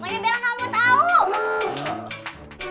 pokoknya belakang mau tau